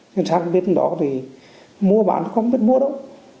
nhưng sang bên đó thì mua bán không biết mua đâu